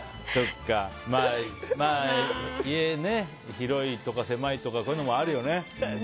まあ、家が広いとか狭いとかそういうのもあるよね。